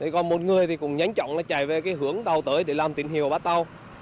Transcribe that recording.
còn một người cũng nhanh chóng chạy về hướng tàu tới để làm tình hiệu bắt tàu